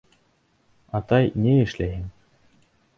Атай, ни эшләйһең?